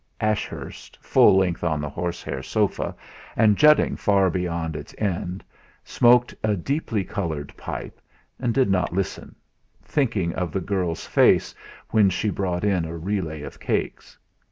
Ashurst, full length on the horsehair sofa, and jutting far beyond its end, smoked a deeply coloured pipe, and did not listen, thinking of the girl's face when she brought in a relay of cakes.